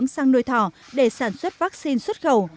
sang nuôi thỏ để sản xuất vaccine xuất khẩu